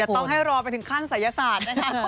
ต้องให้รอไปถึงขั้นศัยศาสตร์นะคะ